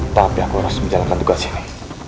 tapi aku harus menjalankan tugas ini